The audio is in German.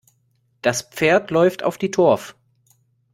Das Pferd läuft auf die Turf.